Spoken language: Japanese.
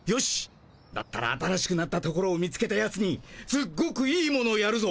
だったら新しくなったところを見つけたやつにすっごくいいものやるぞ。